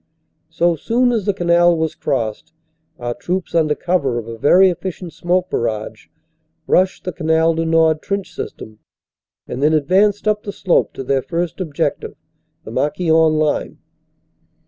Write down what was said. So soon as the canal was crossed, our troops, under cover of a very efficient smoke barrage, rushed the Canal du Nord trench system and then advanced up the slope to their first objective, the Marquion line.